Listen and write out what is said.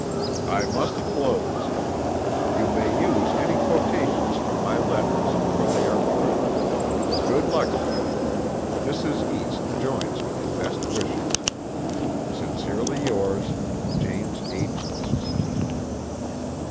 I must close. You may use any quotations from my letters, for they are true. Good luck to you. Mrs. East joins me in best wishes. Sincerely yours, JAS. H. EAST."